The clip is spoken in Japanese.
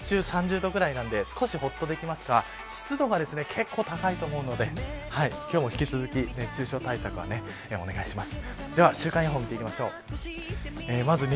日中、３０度くらいなので少しほっとできますが湿度が結構高いと思うので今日も引き続き熱中症対策は、お願いします。